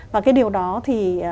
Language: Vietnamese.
và cái điều đó là